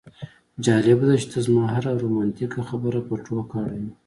جالبه ده چې ته زما هره رومانتیکه خبره په ټوکه اړوې